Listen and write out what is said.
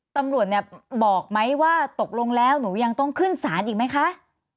ตำรวจเนี่ยบอกไหมว่าตกลงแล้วหนูยังต้องขึ้นศาลอีกไหมคะ